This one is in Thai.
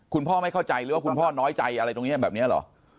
คุณพ่อไม่เข้าใจหรือว่าคุณพ่อน้อยใจอะไรตรงนี้แบบนี้เหรอ